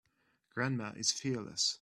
Grandma is fearless.